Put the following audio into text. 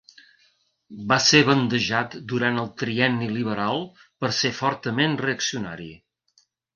Va ser bandejat durant el Trienni liberal per ser fortament reaccionari.